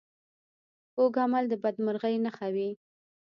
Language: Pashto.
کوږ عمل د بدمرغۍ نښه وي